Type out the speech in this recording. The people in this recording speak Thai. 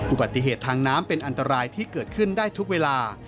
อุบัติเหตุทางน้ำเป็นอันตรายที่เกิดขึ้นได้ทุกเวลา